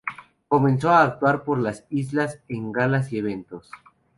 Comenzó a actuar por las islas en galas y eventos.